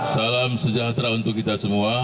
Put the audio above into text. salam sejahtera untuk kita semua